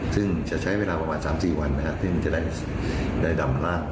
ซึ่งจะใช้เวลาประมาณ๓๔วันนะครับเพื่อได้ดำลาด